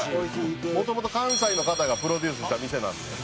「もともと関西の方がプロデュースした店なんで」